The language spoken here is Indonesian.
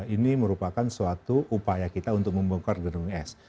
ini merupakan suatu upaya kita untuk membongkar gedung es